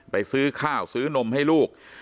ไปซื้อข้าวซื้อนมให้ลูก